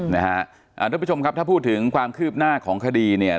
ท่านผู้ชมครับถ้าพูดถึงความคืบหน้าของคดีเนี่ย